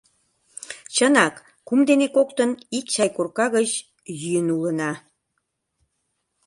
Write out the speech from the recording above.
Чынак, кум дене коктын ик чай корка гыч йӱын улына...